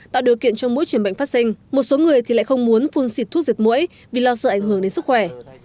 tạo điều kiện cho mỗi chuyển bệnh phát sinh một số người thì lại không muốn phun xịt thuốc diệt mũi vì lo sợ ảnh hưởng đến sức khỏe